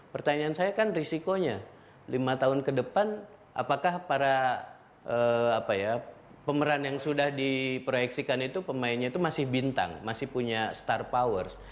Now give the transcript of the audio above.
pertanyaan saya kan risikonya lima tahun ke depan apakah para pemeran yang sudah diproyeksikan itu pemainnya itu masih bintang masih punya star powers